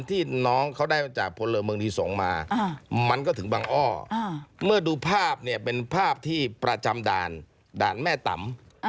ที่น้องเขาได้จากพลเริ่มเมืองที่ส่งมา